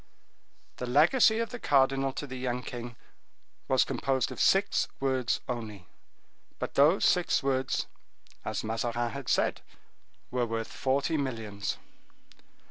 The legacy of the cardinal to the young king was composed of six words only, but those six words, as Mazarin had said, were worth forty millions.